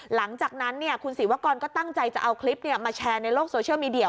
หลังจากนั้นคุณศิวกรก็ตั้งใจจะเอาคลิปมาแชร์ในโลกโซเชียลมีเดีย